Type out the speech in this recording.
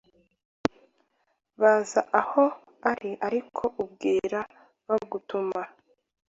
Baza aho ari ariko ubwira bugatuma